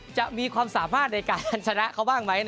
จะมีความสามารถในการชนะเขาบ้างไหม